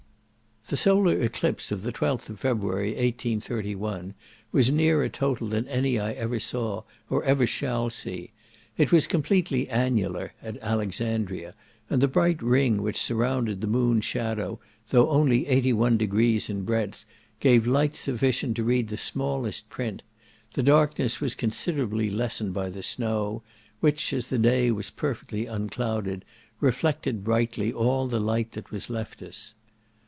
The solar eclipse of the 12th of February, 1831, was nearer total than any I ever saw, or ever shall see. It was completely annular at Alexandria, and the bright ring which surrounded the moon's shadow, though only 81° in breadth, gave light sufficient to read the smallest print; the darkness was considerably lessened by the snow, which, as the day was perfectly unclouded, reflected brightly all the light that was left us.